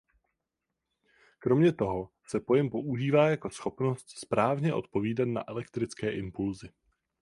Kromě toho se pojem používá jako schopnost správně odpovídat na elektrické impulsy.